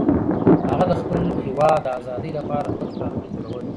هغه د خپل هېواد د ازادۍ لپاره پټ پلانونه جوړول.